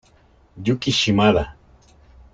Yuki Shimada